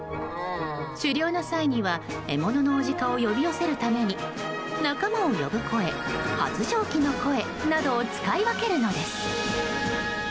狩猟の際には獲物の雄鹿を呼び寄せるために仲間を呼ぶ声、発情期の声などを使い分けるのです。